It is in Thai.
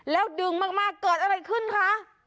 แล้วดึงมากเกิดอะไรขึ้นคะ